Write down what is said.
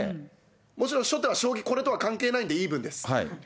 もちろん初手はこれとは関係ないんでイーブンです。